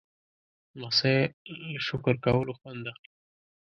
لمسی له شکر کولو خوند اخلي.